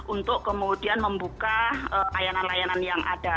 untuk kemudian membuka layanan layanan yang ada